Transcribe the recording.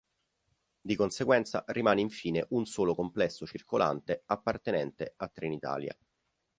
Di conseguenza rimane infine un solo complesso circolante appartenente a Trenitalia.